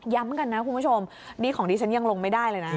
ย้ำกันนะคุณผู้ชมนี่ของดิฉันยังลงไม่ได้เลยนะ